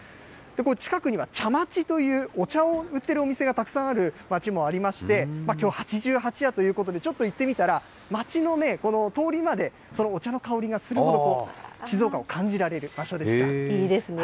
近くには茶町というお茶を売っているお店がたくさんある街もありまして、きょう、八十八夜ということで、行ってみたら、街の通りまでそのお茶の香りがするほど、静岡を感じられる場所でいいですね。